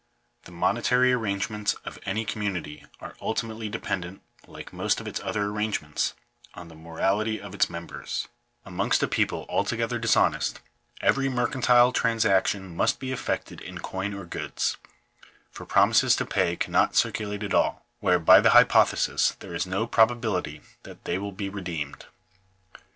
The monetary arrangements of any community are ulti mately dependent, like most of its other arrangements, on the morality of its members. Amongst a people altogether dis Digitized by VjOOQIC CURRENCY, POSTAL ARRANGEMENTS, ETC. 897 honest, every mercantile transaction must be effected in coin or goods ; for promises to pay cannot circulate at all, where, by the hypothesis, there is no probability that they will be redeemed.